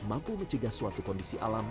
mampu mencegah suatu kondisi alam